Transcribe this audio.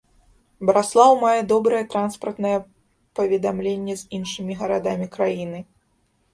Браслаў мае добрае транспартнае паведамленне з іншымі гарадамі краіны.